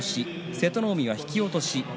瀬戸の海が引き落とし